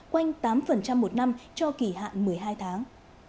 quanh tám một năm cho kỳ hạn một mươi hai tháng